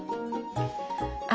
あ！